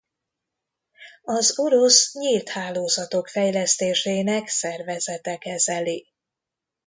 Az Orosz Nyílt Hálózatok Fejlesztésének Szervezete kezeli.